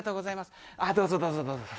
あっどうぞどうぞどうぞ。